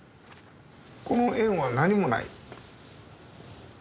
この円は何もない。